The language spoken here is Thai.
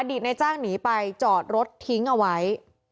ในจ้างหนีไปจอดรถทิ้งเอาไว้